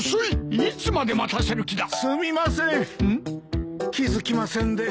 いつまで待たせる気だ！・すみません！